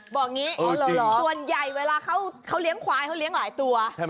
ส่วนใหญ่เวลาเขาเลี้ยงหวายเขาเลี้ยงหลายตัว